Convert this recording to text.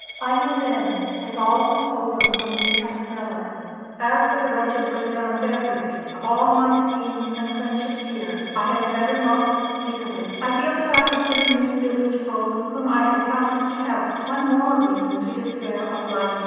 I knew then that all was over for me at Mellor. "As for the wretched break down of everything of all my schemes and friendships here I had better not speak of it. I feel that I have given these village folk, whom I had promised to help, one more reason to despair of life.